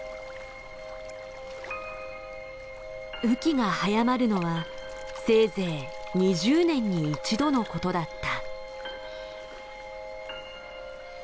雨季が早まるのはせいぜい２０年に一度のことだった。